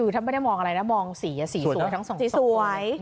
ถ้าไม่ได้มองอะไรบรวมสีสวยนะ